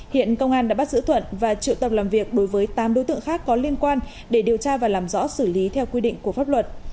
hiện công an đã bắt giữ thuận và triệu tầm làm việc đối với tám đối tượng khác có liên quan để điều tra và làm rõ xử lý theo quy định của pháp luật